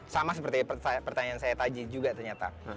sama seperti pertanyaan saya tadi juga ternyata